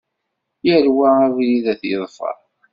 Yal wa abrid ad t-yeḍfer.